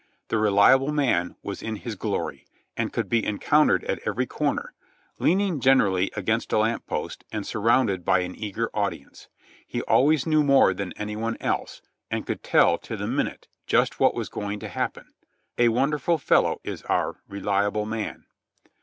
The "Reliable Man"' was in his glory, and could be encountered at every comer, leaning generally against a lamp post and surrounded by an eager audience. He always knew more than any one else, and could tell to the minute just what was going to happen. A wonderful fellow is our "Re liable Man."